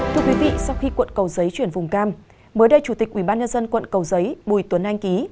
thưa quý vị sau khi quận cầu giấy chuyển vùng cam mới đây chủ tịch ubnd quận cầu giấy bùi tuấn anh ký